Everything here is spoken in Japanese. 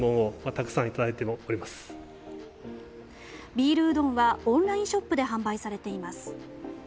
ビールうどんはオンラインショップで販売されています。